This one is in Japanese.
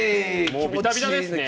もうビタビタですね！